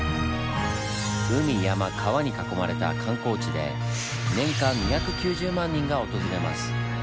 海山川に囲まれた観光地で年間２９０万人が訪れます。